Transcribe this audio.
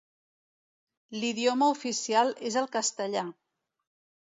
L'idioma oficial és el castellà.